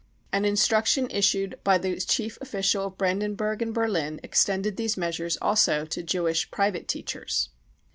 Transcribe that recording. An instruction issued by the chief official of Brandenburg and Berlin extended these measures also to Jewish private teachers.